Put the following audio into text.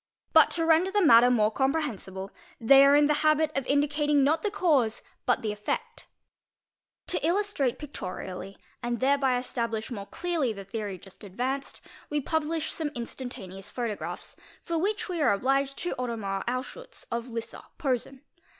But to render the matter more compreh a sible, they are in the habit of indicating not the cause but the effect. : aa , y zie) Bs ee PLATE XII. RUNNING 515 | To illustrate pictorially, and thereby establish more clearly the theory : just advanced, we publish some instantaneous photographs, for which we _ are obliged to Ottomar Anschiitz of Lissa (Posen).